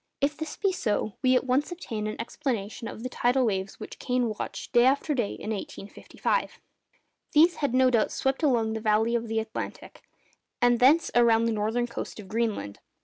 If this be so, we at once obtain an explanation of the tidal waves which Kane watched day after day in 1855. These had no doubt swept along the valley of the Atlantic, and thence around the northern coast of Greenland.